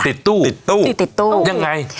ติดตู้ยังไง